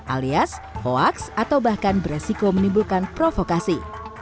alias hoax atau bahkan beresiko menimbulkan provokasi